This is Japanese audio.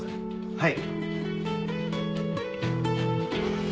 はい。